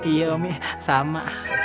iya umi sama